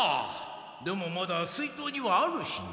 でもまだ水筒にはあるしな。